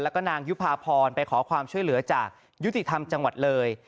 แล้วก็นางยุภาพรไปขอความช่วยเหลือจากยุติธรรมจังหวัดเลย